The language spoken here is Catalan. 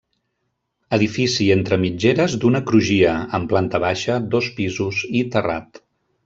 Edifici entre mitgeres d'una crugia, amb planta baixa, dos pisos i terrat.